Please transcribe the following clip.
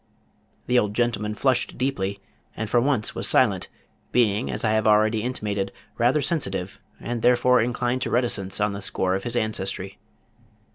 The old gentleman flushed deeply, and for once was silent, being as I have already intimated rather sensitive, and therefore inclined to reticence on the score of his ancestry.